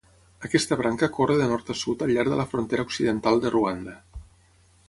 Aquesta branca corre de nord a sud al llarg de la frontera occidental de Ruanda.